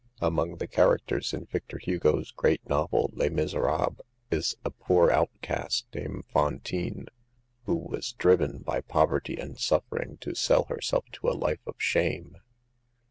Among the characters in Victor Hugo's great novel, " Les Miserables," is a poor out cast named Fantine, who was driven by poverty and suffering to sell herself to a life of shame.